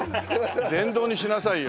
電動にしなさいよ！